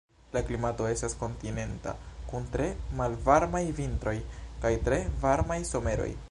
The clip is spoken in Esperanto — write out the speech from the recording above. La klimato estas kontinenta kun tre malvarmaj vintroj kaj tre varmaj someroj.